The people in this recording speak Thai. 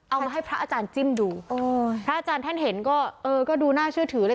เอามาให้พระอาจารย์จิ้มดูโอ้พระอาจารย์ท่านเห็นก็เออก็ดูน่าเชื่อถือเลย